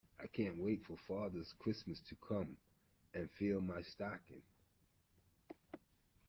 I can't wait for Father Christmas to come and fill my stocking